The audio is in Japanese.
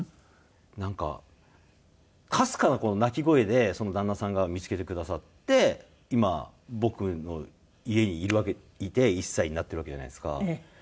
なんかかすかな鳴き声でその旦那さんが見付けてくださって今僕の家にいて１歳になってるわけじゃないですか。